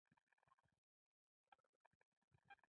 پسه په جوماتونو کې قرباني کېږي.